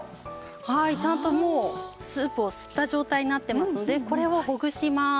ちゃんともうスープを吸った状態になってますのでこれをほぐします。